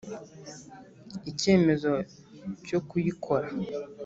Icyemezo cyo kuyikora